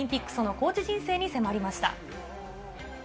そのコーチ人生に迫りました。